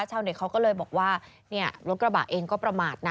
ชาวเน็ตเขาก็เลยบอกว่าเนี่ยรถกระบะเองก็ประมาทนะ